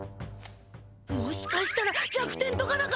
もしかしたら弱点とかだか！？